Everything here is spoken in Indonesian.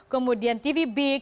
kemudian tv big